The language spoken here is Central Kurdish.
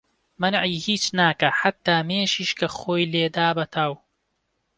مەنعی هیچ ناکا حەتا مێشیش کە خۆی لێدا بە تاو